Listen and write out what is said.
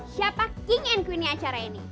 siapa king and queennya acara ini